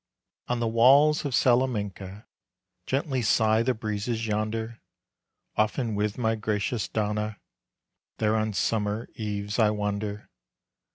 On the walls of Salamanca Gently sigh the breezes yonder. Often with my gracious Donna, There on summer eves I wander.